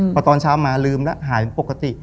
พอตอนเช้ามาลืมแล้วหายเป็นปกติ